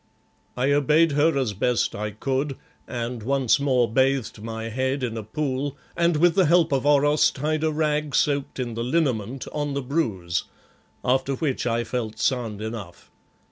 I obeyed her as best I could, and once more bathed my head in a pool, and with the help of Oros tied a rag soaked in the liniment on the bruise, after which I felt sound enough.